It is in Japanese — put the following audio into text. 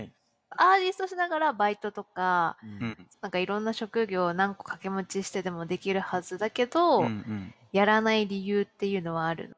アーティストしながらバイトとか何かいろんな職業を何個掛け持ちしてでもできるはずだけどやらない理由っていうのはあるの？